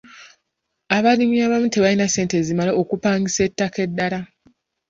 Abalimi abamu tebalina ssente zimala okupangisa ettaka eddala.